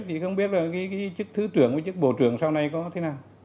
thì không biết là cái chức thứ trưởng của chức bộ trưởng sau này có thế nào